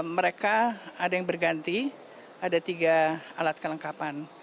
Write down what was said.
mereka ada yang berganti ada tiga alat kelengkapan